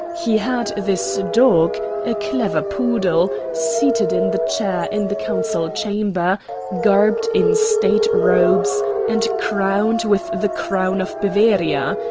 He had this dog, a clever poodle, seated in the chair in the Council Chamber, garbed in State robes, and crowned with the crown of Bavaria.